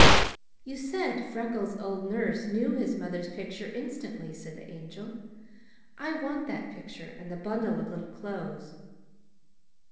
"You said Freckles' old nurse knew his mother's picture instantly," said the Angel. "I want that picture and the bundle of little clothes."